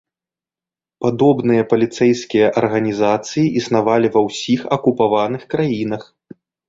Падобныя паліцэйскія арганізацыі існавалі ва ўсіх акупаваных краінах.